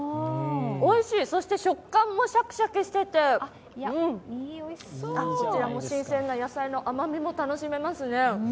おいしい、そして食感もシャキシャキしていて、こちら、新鮮な野菜の甘みも楽しめますね。